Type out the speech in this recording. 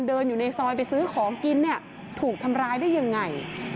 เดินอยู่ในซอยไปซื้อของกินเนี่ยถูกทำร้ายได้ยังไง